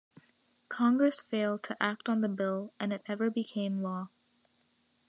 Congress failed to act on the bill, and it never became law.